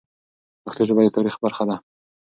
پښتو ژبه د تاریخ برخه ده.